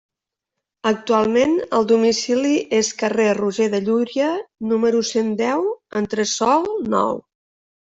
Actualment el domicili és carrer Roger de Llúria, número cent deu, entresòl nou.